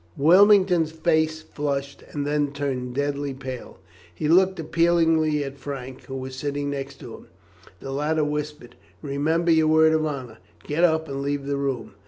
Wilmington's face flushed and then turned deadly pale. He looked appealingly at Frank, who was sitting next to him. The latter whispered, "Remember your word of honour. Get up and leave the room."